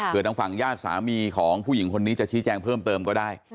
เพื่อทางฝั่งญาติสามีของผู้หญิงคนนี้จะชี้แจงเพิ่มเติมก็ได้